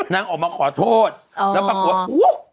นางออกมาขอโทษแล้วปรากฏว่าอู้